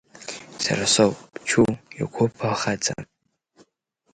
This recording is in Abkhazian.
Сара соуп, Чу Иақәыԥ, ахаҵа.